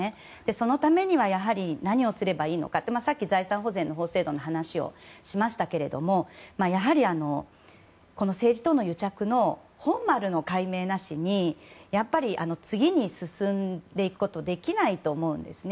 そのためには何をすればいいのかさっき財産保全の法制度の話をしましたけれどもやはり政治との癒着の本丸の解明なしに次に進んでいくことはできないと思うんですね。